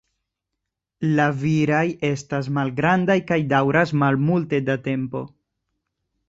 La viraj estas malgrandaj kaj daŭras malmulte da tempo.